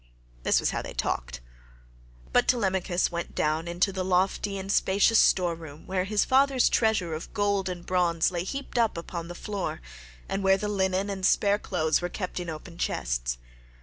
This was how they talked. But Telemachus went down into the lofty and spacious store room where his father's treasure of gold and bronze lay heaped up upon the floor, and where the linen and spare clothes were kept in open chests.